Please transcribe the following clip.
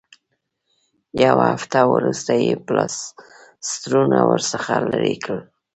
یوه هفته وروسته یې پلاسټرونه ورڅخه لرې کړل.